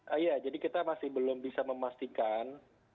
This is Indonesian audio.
iya jadi kita masih belum bisa memastikan